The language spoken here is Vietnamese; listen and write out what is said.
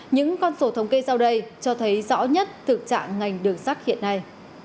những con số thống kê sau đây cho thấy rõ nhất thực trạng ngành đường sắt hiện nay